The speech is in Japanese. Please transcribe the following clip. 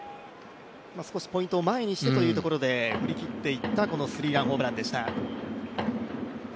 少しポイントを前にしてということで振り切っていったスリーランホームランでした。